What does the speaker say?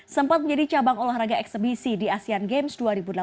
sempat menjadi cabang olahraga eksebisi di asean games dua ribu delapan belas